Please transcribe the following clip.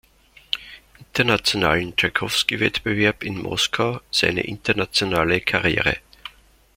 Internationalen Tschaikowski-Wettbewerb in Moskau seine internationale Karriere.